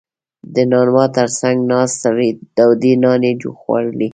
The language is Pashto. • د نانوا تر څنګ ناست سړی تودې نانې خوړلې.